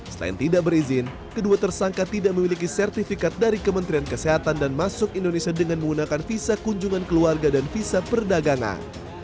selain tidak berizin kedua tersangka tidak memiliki sertifikat dari kementerian kesehatan dan masuk indonesia dengan menggunakan visa kunjungan keluarga dan visa perdagangan